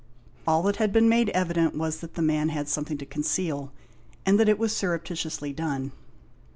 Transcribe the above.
All that had been made evident was that the man had something to conceal, and that it was surreptitiously done.